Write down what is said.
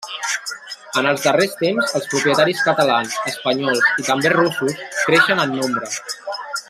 En els darrers temps, els propietaris catalans, espanyols i també russos creixen en nombre.